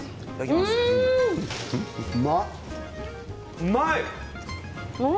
うまい。